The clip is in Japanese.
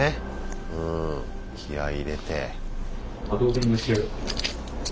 うん気合い入れて。